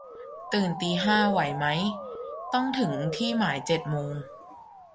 ตื่นตีห้า ไหวไหม ต้องถึงที่หมายเจ็ดโมง